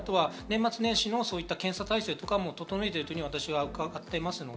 年末年始の検査体制なども整えてると私を伺っています。